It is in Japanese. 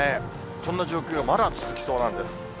そんな状況、まだ続きそうなんです。